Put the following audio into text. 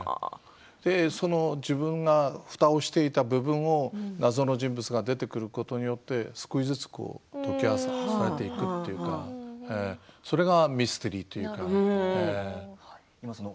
自分がふたをしていた部分も謎の人物が出てくることによって少しずつ解き放たれていくというかそれはミステリーというか。